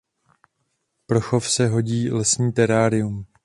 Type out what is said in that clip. Pro chov se hodí lesní terárium.